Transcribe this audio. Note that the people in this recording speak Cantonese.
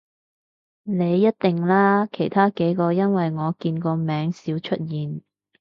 你一定啦，其他幾個因爲我見個名少出現